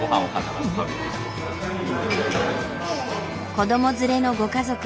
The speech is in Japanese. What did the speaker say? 子ども連れのご家族。